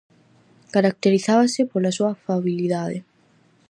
Caracterizábase pola súa afabilidade.